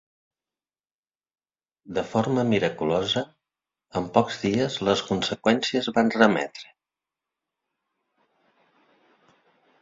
De forma miraculosa, en pocs dies les conseqüències van remetre.